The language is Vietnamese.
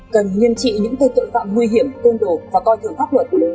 cần nghiêm trị những cây tội phạm nguy hiểm côn đồ và coi thường pháp luật